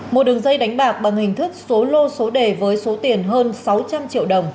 một đường dây đánh bạc bằng hình thức số lô số đề với số tiền hơn sáu trăm linh triệu đồng